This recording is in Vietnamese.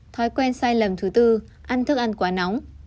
thói quen sai lầm thứ tư ăn thức ăn quá nóng